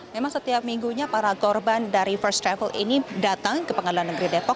memang setiap minggunya para korban dari first travel ini datang ke pengadilan negeri depok